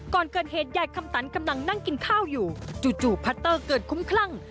ก่อนเกิดเหตุยายคำตันกำลังนั่งกินข้าวอยู่จู่พัตเตอร์เกิดคุ้มคลั่ง